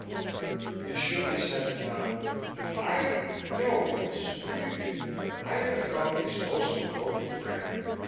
He shook his head mildly. "I? No, Weels. Believe me, I am the Company's most devoted friend.